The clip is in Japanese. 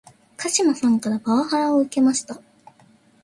鹿島さんからパワハラを受けました